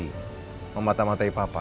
hai mematah matahi papa